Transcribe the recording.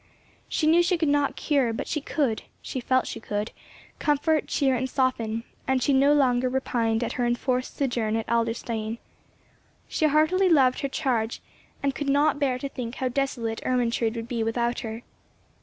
She knew she could not cure, but she could, she felt she could, comfort, cheer, and soften, and she no longer repined at her enforced sojourn at Adlerstein. She heartily loved her charge, and could not bear to think how desolate Ermentrude would be without her.